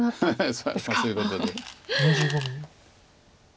そういうことで。